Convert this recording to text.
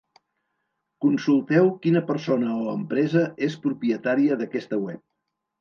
Consulteu quina persona o empresa és propietària d'aquesta web.